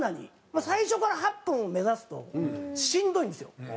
まあ最初から８分を目指すとしんどいんですよ。